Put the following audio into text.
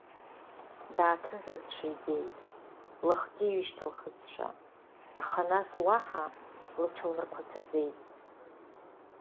Дааҭрысызшәа ибеит, лыхгьы ҩышьҭылхызшәа, аха нас уаҳа лҽылмырқәацаӡеит.